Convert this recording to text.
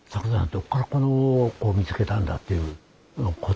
どっからこの子を見つけたんだっていうことで。